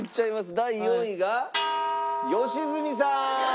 第４位が良純さーん！